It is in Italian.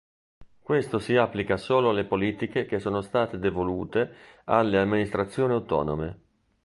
Questo si applica solo alle politiche che sono state "devolute" alle amministrazioni autonome.